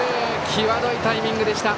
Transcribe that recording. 際どいタイミングでした。